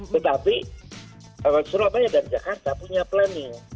tetapi surabaya dan jakarta punya planning